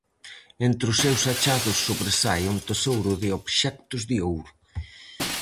Entre os seus achados sobresae un tesouro de obxectos de ouro.